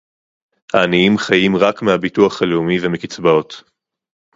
העניים חיים רק מהביטוח הלאומי ומקצבאות